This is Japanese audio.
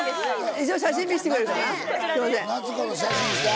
一応写真見してくれるかな？